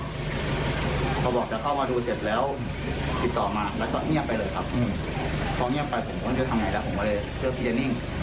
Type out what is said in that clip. พอบอกจะเข้ามาดูเสร็จแล้วติดต่อมาแล้วก็เงียบไปเลยครับ